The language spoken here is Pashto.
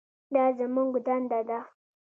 دا زموږ دنده ده.